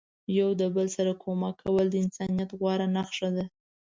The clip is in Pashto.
یو د بل سره کومک کول د انسانیت غوره نخښه ده.